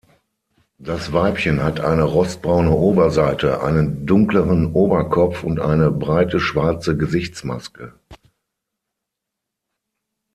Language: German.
Das Weibchen hat eine rostbraune Oberseite, einen dunkleren Oberkopf und eine breite schwarze Gesichtsmaske.